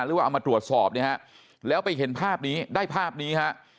หรือว่ามาสอบนี้ฮะแล้วไปเห็นภาพนี้ได้ภาพนี้ฮะ